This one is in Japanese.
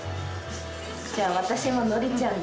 じゃあ私も典ちゃんで。